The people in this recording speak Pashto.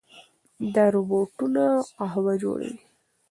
دا روباټونه قهوه جوړوي.